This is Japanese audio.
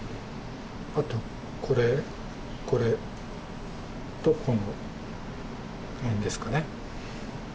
あとこれこれとこの辺ですかね。